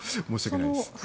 申し訳ないです。